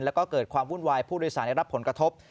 แล้วก็เกิดความวุ่นวายผู้โดยสารได้รับผลกระทบ